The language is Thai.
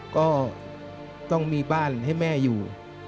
ก็ต้องมีบ้านให้แม่อยู่